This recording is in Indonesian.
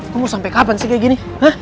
lu mau sampai kapan sih kayak gini